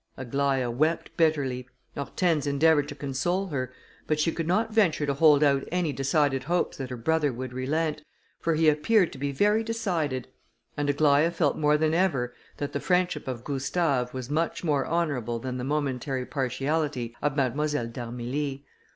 '" Aglaïa wept bitterly, Hortense endeavoured to console her, but she could not venture to hold out any decided hopes that her brother would relent, for he appeared to be very decided, and Aglaïa felt more than ever that the friendship of Gustave was much more honourable than the momentary partiality of Mademoiselle d'Armilly.